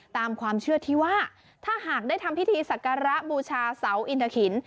ตามความเชื่อที่ว่าถ้าหากได้ทำพิธีสักการะบูชาเสาอินทะขิน